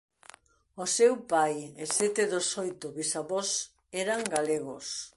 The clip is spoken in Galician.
O seu pai e sete dos oito bisavós eran galegos.